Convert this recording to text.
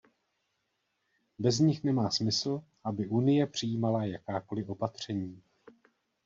Bez nich nemá smysl, aby Unie přijímala jakákoli opatření.